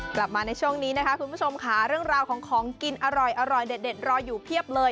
กลับมาในช่วงนี้นะคะคุณผู้ชมค่ะเรื่องราวของของกินอร่อยเด็ดรออยู่เพียบเลย